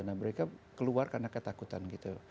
nah mereka keluar karena ketakutan gitu